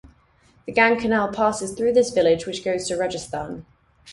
The Gang canal passes through this village which goes to Rajasthan.